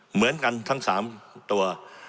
เหมือนกันทั้ง๓ตัว